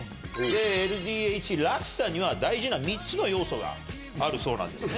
ＬＤＨらしさには大事な３つの要素があるそうなんですね。